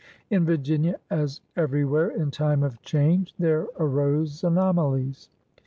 In Virginia, as everywhere in time of change, there arose anomalies.